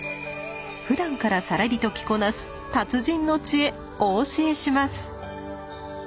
ふだんからさらりと着こなす達人の知恵お教えします。